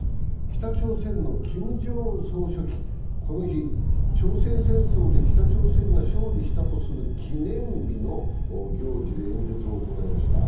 北朝鮮のキム・ジョンウン総書記、この日、朝鮮戦争で北朝鮮が勝利したという記念日の行事で演説を行いました。